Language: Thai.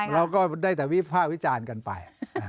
เราก็ได้แต่วิภาควิจารณ์กันไป